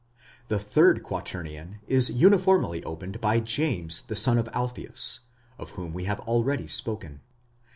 The third quaternion is uniformly opened by James the son of Alpheus, of whom we have already spoken.